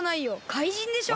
怪人でしょ？